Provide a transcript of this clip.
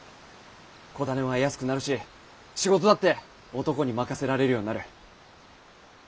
子種は得やすくなるし仕事だって男に任せられるようになる。